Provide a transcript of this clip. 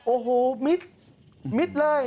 โอ้โหมิดมิดเลย